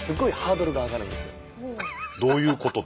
どういうことで？